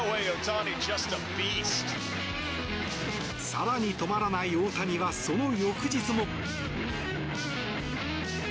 更に、止まらない大谷はその翌日も。